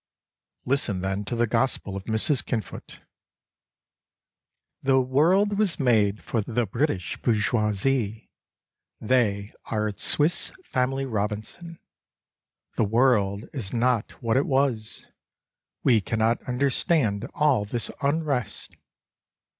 Listen then to the gospel of Mrs. Kinfoot :" The world was made for the British bourgeoisie. They are its Swiss Family Robinson ; The world is not what it was. We cannot understand all this unrest